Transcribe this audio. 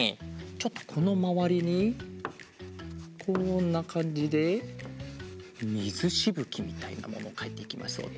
ちょっとこのまわりにこんなかんじでみずしぶきみたいなものかいていきますよ。